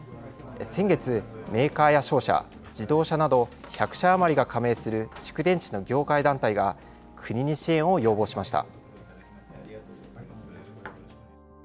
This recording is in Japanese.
先月、メーカーや商社、自動車など１００社余りが加盟する蓄電池の業界団体が、国に支援を要望しました。